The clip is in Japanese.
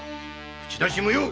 口出し無用！